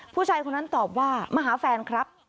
ผู้ชายคนนั้นตอบว่ามาหาแฟนครับ